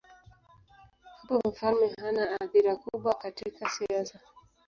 Hapo mfalme hana athira kubwa katika siasa.